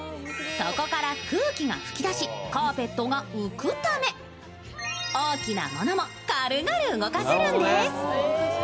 そこから空気が吹き出し、カーペットが浮くため大きなものも軽々動かせるんです。